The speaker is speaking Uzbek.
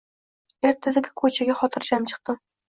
Ertasiga ko'chaga xotirjam chiqdim